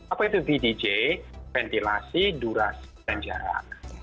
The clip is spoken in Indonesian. apa itu vdj ventilasi duras dan jarak